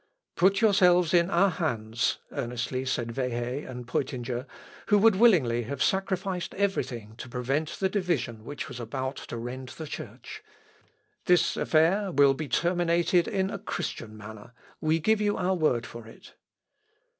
"Put yourself in our hands," earnestly said Wehe and Peutinger, who would willingly have sacrificed every thing to prevent the division which was about to rend the Church. "This affair will be terminated in a Christian manner; we give you our word for it."